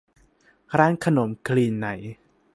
ร้านขนมคลีนใน